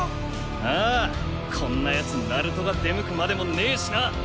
ああこんなヤツにナルトが出向くまでもねえしな。